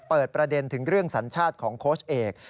เปิดประเด็นถึงเรื่องสัญชาติของโค้ชเอก